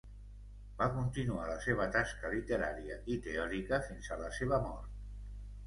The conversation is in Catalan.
Va continuar la seva tasca literària i teòrica fins a la seva mort.